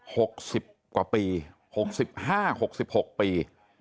หกสิบกว่าปี๖๕๖๖ปี